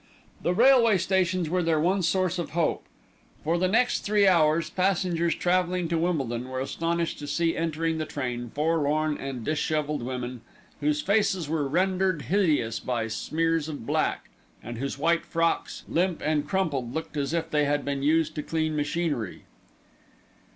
The railway stations were their one source of hope. For the next three hours passengers travelling to Wimbledon were astonished to see entering the train forlorn and dishevelled women, whose faces were rendered hideous by smears of black, and whose white frocks, limp and crumpled, looked as if they had been used to clean machinery.